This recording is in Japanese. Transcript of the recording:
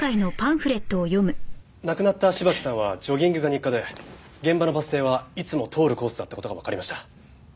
亡くなった芝木さんはジョギングが日課で現場のバス停はいつも通るコースだった事がわかりました。